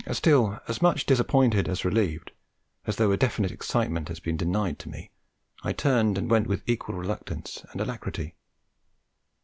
Still as much disappointed as relieved, as though a definite excitement had been denied to me, I turned and went with equal reluctance and alacrity.